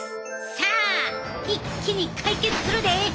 さあ一気に解決するで！